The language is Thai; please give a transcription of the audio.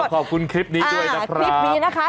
ขอบคุณคลิปนี้ด้วยนะครับคลิปนี้นะคะ